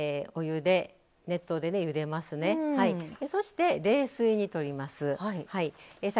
そして冷水にとります。